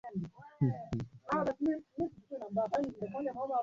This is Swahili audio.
Mombasa ni mji mkuu Kenya